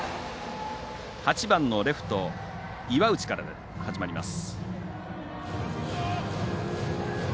８番のレフト岩内から始まります。